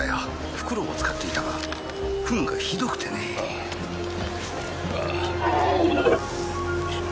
フクロウを使っていたがフンがひどくてねああ